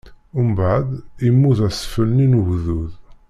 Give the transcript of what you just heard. Mbeɛd, imudd asfel-nni n ugdud.